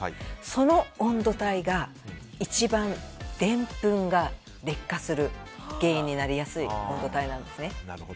その温度帯が一番、でんぷんが劣化する原因になりやすい温度帯なんですね。